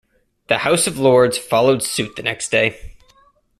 The House of Lords followed suit the next day.